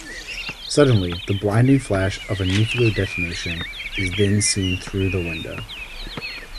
Suddenly, the blinding flash of a nuclear detonation is then seen through the window.